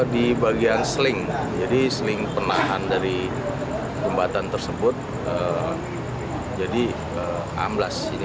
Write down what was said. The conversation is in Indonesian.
di bagian seling jadi seling penahan dari jembatan tersebut jadi amblas